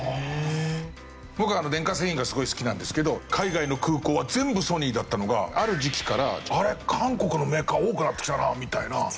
僕は電化製品がすごい好きなんですけど海外の空港は全部ＳＯＮＹだったのがある時期から韓国のメーカー多くなってきたなみたいな。